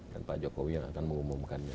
pak jokowi yang akan mengumumkannya